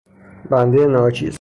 بنده ناچیز